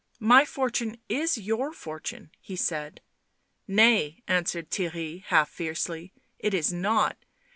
" My fortune is your fortune," he said. " Nay," answered Theirry, half fiercely, " it is not